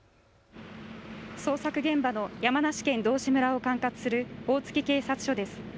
捜索現場の山梨県道志村を管轄する大月警察署です。